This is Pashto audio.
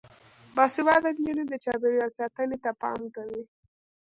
باسواده نجونې د چاپیریال ساتنې ته پام کوي.